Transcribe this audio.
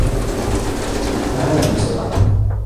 تعال إذا استطعت